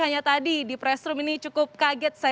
hanya tadi di press room ini cukup kaget